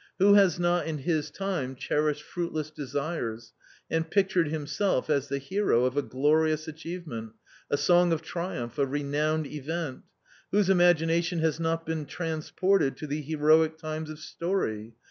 Who has not in his time cherished fruitless desires, and pictured himself as the hero of a glorious achievement, a song of triumph, a renowned event? Whose imagination has not been trans ported to the heroic times of story